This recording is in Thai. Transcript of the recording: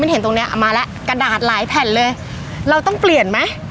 เห็นตรงเนี้ยเอามาแล้วกระดาษหลายแผ่นเลยเราต้องเปลี่ยนไหม